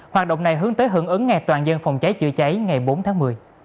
hoạt động này hướng tới hưởng ứng ngày toàn dân phòng cháy chữa cháy ngày bốn tháng một mươi